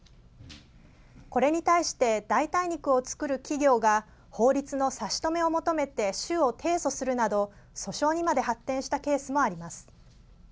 これに対して代替肉を作る企業が法律の差し止めを求めて州を提訴するなど訴訟にまで発展したケースもあります。